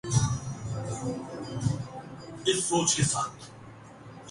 لبنانی designer اقوام متحدہ کے خیر سگالی سفیر مقرر